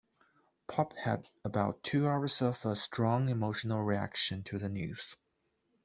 Pop had "about two hours of a strong emotional reaction" to the news.